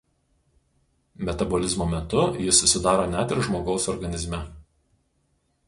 Metabolizmo metu jis susidaro net ir žmogaus organizme.